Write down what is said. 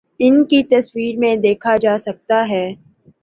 کی تصاویر میں دیکھا جاسکتا ہے